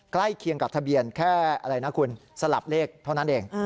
ใกล้เคียงกับทะเบียนแค่อะไรนะคุณสลับเลขเท่านั้นเอง